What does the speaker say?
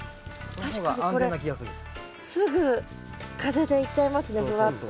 確かにこれすぐ風でいっちゃいますねふわっと。